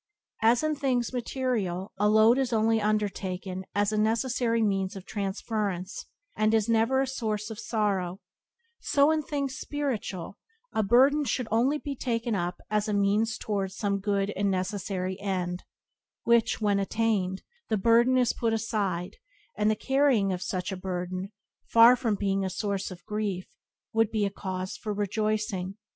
As in things material a load is only undertaken as a necessary means of transference, and is never a source of sorrow, so in things spiritual a burden should only be taken up as a means towards some good and necessary end, which, when attained, the burden is put aside; and the carrying of such a burden, far from being a source of grief would be a cause for rejoicing.